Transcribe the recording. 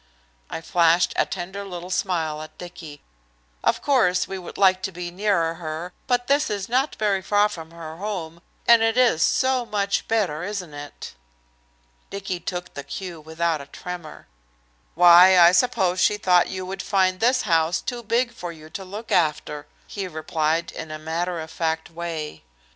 I flashed a tender little smile at Dicky. "Of course we would like to be nearer her, but this is not very far from her home, and it is so much better, isn't it?" Dicky took the cue without a tremor. "Why, I suppose she thought you would find this house too big for you to look after," he replied in a matter of fact way.